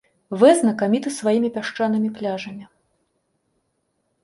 Вэ знакаміты сваімі пясчанымі пляжамі.